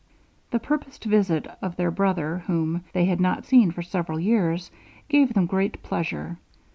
The purposed visit of their brother, whom they had not seen for several years, gave them great pleasure.